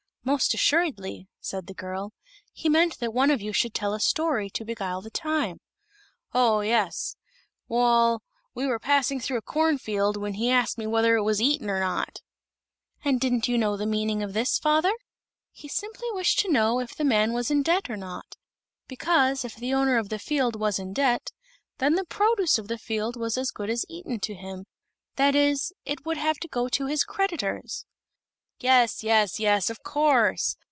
"Most assuredly," said the girl; "he meant that one of you should tell a story to beguile the time." "Oh yes. Well, we were passing through a corn field, when he asked me whether it was eaten or not." "And didn't you know the meaning of this, father? He simply wished to know if the man was in debt or not; because, if the owner of the field was in debt, then the produce of the field was as good as eaten to him; that is, it would have to go to his creditors." "Yes, yes, yes, of course!